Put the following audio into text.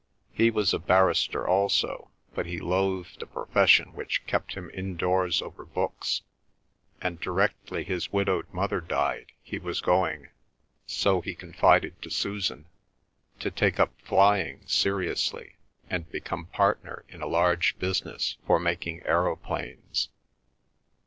He was a barrister also, but he loathed a profession which kept him indoors over books, and directly his widowed mother died he was going, so he confided to Susan, to take up flying seriously, and become partner in a large business for making aeroplanes.